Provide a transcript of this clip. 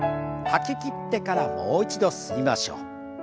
吐ききってからもう一度吸いましょう。